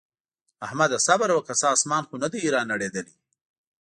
احمده! صبره وکړه څه اسمان خو نه دی رانړېدلی.